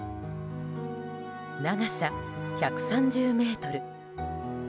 長さ１３０ｍ。